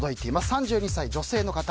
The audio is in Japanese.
３２歳、女性の方。